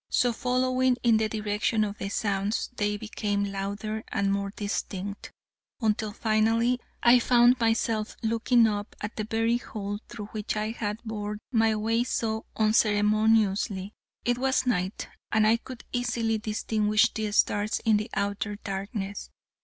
So, following in the direction of the sounds, they became louder and more distinct, until finally I found myself looking up at the very hole through which I had bored my way so unceremoniously. It was night, and I could easily distinguish the stars in the outer darkness.